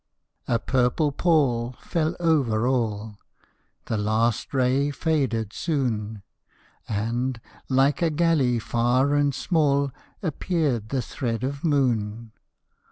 A purple pall Fell over all ; The last ray faded soon, And, like a galley far and small Appeared the thread of moon.